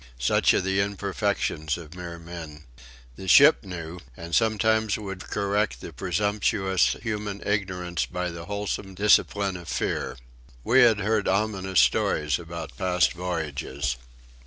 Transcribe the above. Such are the imperfections of mere men! The ship knew, and sometimes would correct the presumptuous human ignorance by the wholesome discipline of fear. We had heard ominous stories about past voyages.